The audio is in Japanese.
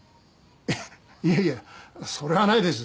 いやいやそれはないです